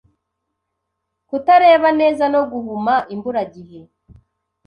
kutareba neza no guhuma imburagihe.